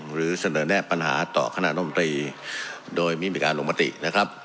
หรือเสนอแนะปัญหาต่อคณะนมตรีโดยไม่มีการลงมตินะครับ